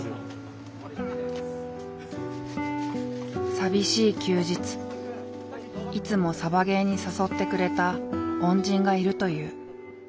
寂しい休日いつもサバゲーに誘ってくれた恩人がいるという。